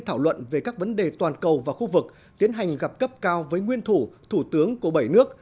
thảo luận về các vấn đề toàn cầu và khu vực tiến hành gặp cấp cao với nguyên thủ thủ tướng của bảy nước